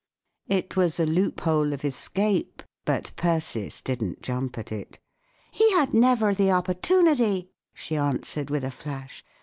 It was a loophole of escape; but Persis didn't jump at it " He had never the opportunity," she answered, with a flash.